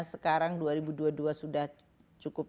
sekarang dua ribu dua puluh dua sudah cukup